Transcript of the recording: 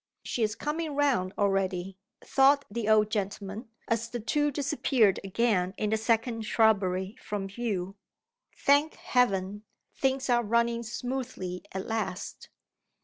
"She is coming round already!" thought the old gentleman, as the two disappeared again in the second shrubbery from view. "Thank Heaven! things are running smoothly at last!"